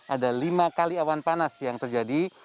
ada lima kali awan panas yang terjadi